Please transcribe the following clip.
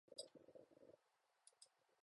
北海道芦別市